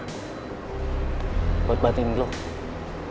gw bakal kasih pengertian sama pangeran